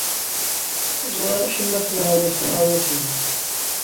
Ur ẓriɣ acemma ɣef uɣawas-nnes.